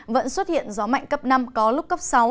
vẫn xuất hiện gió mạnh cấp năm có lúc cấp sáu